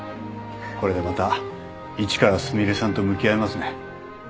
これでまた一からすみれさんと向き合えますね。